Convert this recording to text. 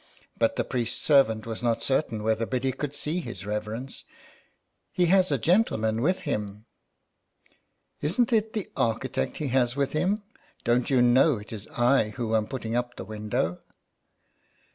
But the priest's servant was not certain whether Biddy could see his reverence. " He has a gentleman with him." " Isn't it the architect he has with him ? Don't you know it is I who am putting up the window